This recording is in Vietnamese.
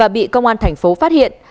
bị công an thành phố phát hiện